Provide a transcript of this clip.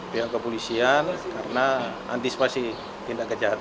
pihak kepolisian karena antisipasi tindak kejahatan